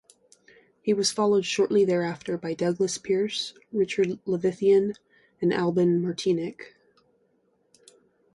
He was followed shortly thereafter by Douglas Pearce, Richard Leviathan and Albin Martinek.